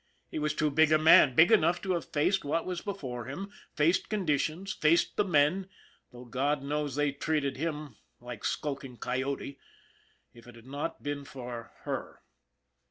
He was too big a man, big enough to have faced what was before him, faced conditions, faced the men, though God knows they treated him like skulking coyote, if it had not been for her.